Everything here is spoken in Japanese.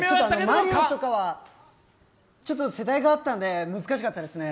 マリオとかは世代があったんで難しかったですね。